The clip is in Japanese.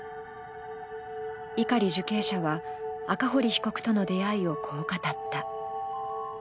碇受刑者は赤堀被告との出会いをこう語った。